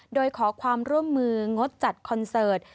โดยขอความร่วมมืองดจัดคอนเสิร์ต